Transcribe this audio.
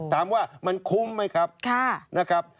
ถามว่ามันคุ้มไหมครับ